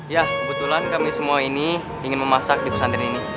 ya kebetulan kami semua ini ingin memasak di pesantren ini